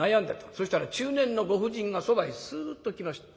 そしたら中年のご婦人がそばへスッと来ました。